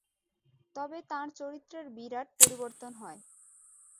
তবে তাঁর চরিত্রের বিরাট পরিবর্তন হয়।